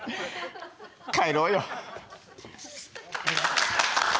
帰ろうよ。